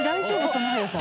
その速さ。